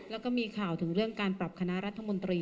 แล้วก็มีข่าวถึงเรื่องการปรับคณะรัฐมนตรี